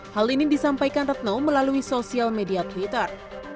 hal ini disampaikan retno melalui sosial media twitter